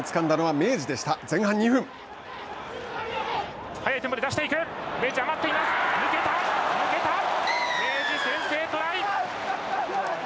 明治、先制トライ！